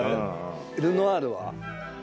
ルノワールは？